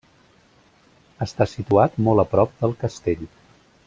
Està situat molt a prop del castell.